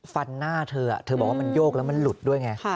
หน้าเธอเธอบอกว่ามันโยกแล้วมันหลุดด้วยไง